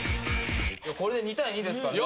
これで２対２ですからね。